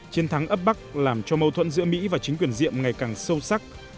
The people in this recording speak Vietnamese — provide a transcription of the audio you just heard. chiến thắng ấp bắc làm cho mâu thuẫn giữa mỹ và chính quyền diệm ngày càng sâu sắc